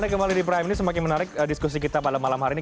kita kembali di prime ini semakin menarik diskusi kita pada malam hari ini